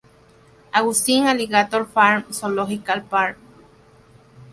Augustine Alligator Farm Zoological Park.